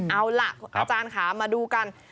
เอาล่ะอาจารย์ค่ะมาดูกัน